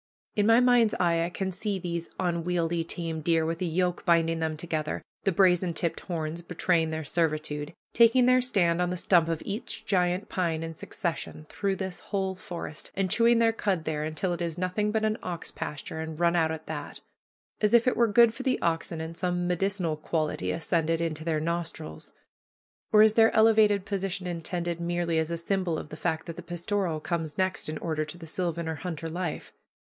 In my mind's eye I can see these unwieldy tame deer, with a yoke binding them together, the brazen tipped horns betraying their servitude, taking their stand on the stump of each giant pine in succession throughout this whole forest, and chewing their cud there, until it is nothing but an ox pasture, and run out at that. As if it were good for the oxen, and some medicinal quality ascended into their nostrils. Or is their elevated position intended merely as a symbol of the fact that the pastoral comes next in order to the sylvan or hunter life?